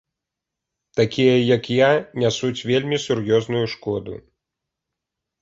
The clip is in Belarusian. Такія, як я, нясуць вельмі сур'ёзную шкоду.